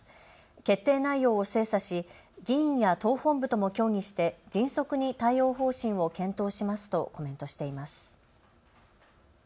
決定内容を精査し議員や党本部とも協議して迅速に対応方針を検討しますとコメントしています。